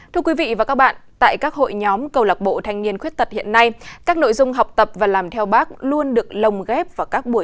thưa quý vị và các bạn tại các hội nhóm cầu lạc bộ thanh niên khuyết tật hiện nay các nội dung học tập và làm theo bác luôn được lồng ghép vào các buổi